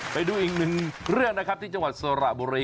ไปดูอีกหนึ่งเรื่องนะครับที่จังหวัดสระบุรี